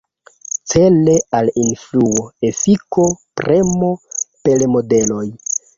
Cele al influo, efiko, premo per modeloj.